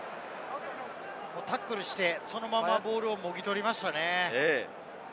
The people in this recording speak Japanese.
タックルして、そのままボールをもぎ取りましたね。